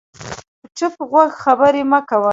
په چپ غوږ خبرې مه کوه